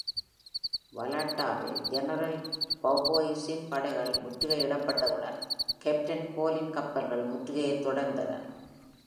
வாலெட்டாவில் general வௌபோயிஸின் படைகள் முற்றுகையிடப்பட்டத்துடன், கேப்டன் பாலின் கப்பல்கள் முற்றுகையைத் தொடர்ந்தன.